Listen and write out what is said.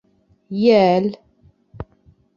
Йәл!